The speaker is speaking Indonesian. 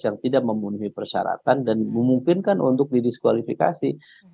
yang tidak memenuhi persyaratan dan memungkinkan untuk didiskualifikasi sehingga potensi untuk amin